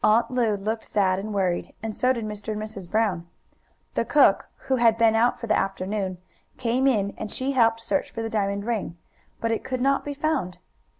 Aunt Lu looked sad and worried, and so did Mr. and Mrs. Brown. The cook, who had been out for the afternoon, came in and she helped search for the diamond ring, but it could not be found.